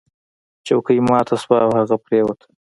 چوکۍ ماته شوه او هغه پریوت.